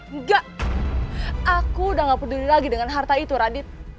enggak aku udah gak peduli lagi dengan harta itu radit